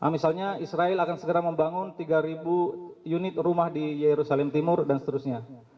misalnya israel akan segera membangun tiga ribu unit rumah di yerusalem timur dan seterusnya